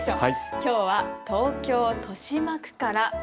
きょうは東京豊島区から。